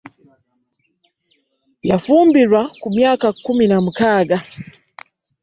Yafumbirwa ku myaka kumi na mukaaga.